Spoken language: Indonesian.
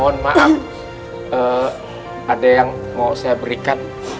mohon maaf ada yang mau saya berikan